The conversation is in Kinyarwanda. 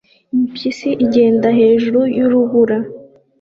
Impyisi igenda hejuru y'urubura